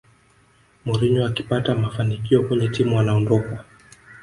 mourinho akipata mafanikio kwenye timu anaondoka